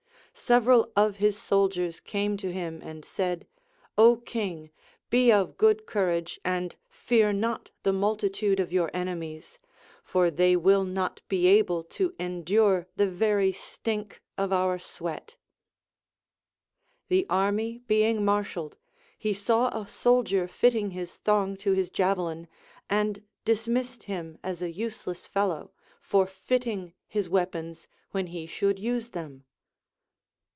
Several of his soldiers came to him and said : Ο Kiuii ! be of good courage, and fear not the multitude of your ene mies, for they will not be able to endure the very stink of our sweat. The army being marshalled, he saw a soldier 200 THE APOPHTHEGMS OF KINGS fitting his thong to his javelin, and dismissed him as a use less fellow, for fitting his weapons when he should use them.